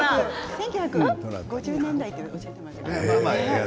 １９５０年代とおっしゃっていました。